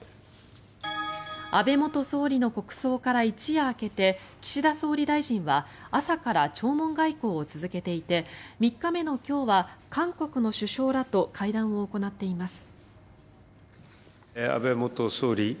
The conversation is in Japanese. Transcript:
安倍元総理の国葬から一夜明けて岸田総理大臣は朝から弔問外交を続けていて３日目の今日は韓国の首相らと会談を行っています。